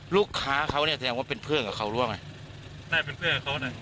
ลูกค้าเขาเนี่ยแสดงว่าเป็นเพื่อนกับเขาหรือว่าไงน่าจะเป็นเพื่อนกับเขานะ